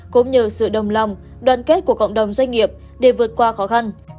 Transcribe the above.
cũng nhờ sự đồng lòng đoàn kết của cộng đồng doanh nghiệp để vượt qua khó khăn